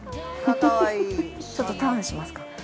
ちょっとターンしますか。